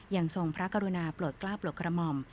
ทรงพระกรุณาโปรดกล้าปลดกระหม่อม